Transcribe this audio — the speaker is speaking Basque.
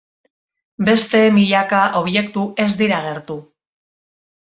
Beste milaka objektu ez dira agertu.